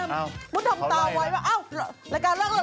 มัวถ่องตาไวว่าอะไร